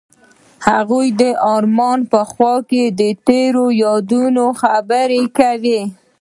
هغوی د آرمان په خوا کې تیرو یادونو خبرې کړې.